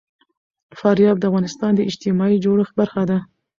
فاریاب د افغانستان د اجتماعي جوړښت برخه ده.